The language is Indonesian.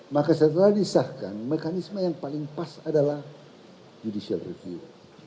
maka setelah disahkan mekanisme yang paling pas adalah judicial review